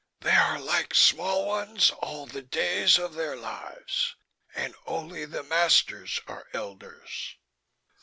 "They are like small ones all the days of their lives, and only the masters are elders."